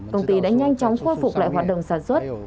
công ty đã nhanh chóng khôi phục lại hoạt động sản xuất